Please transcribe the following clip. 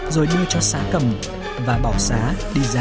rồi lưu cho xá cầm và bảo xá đi ra chỗ xe máy